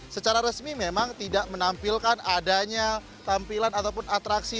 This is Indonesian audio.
secara resmi memang tidak menampilkan adanya tampilan ataupun atraksi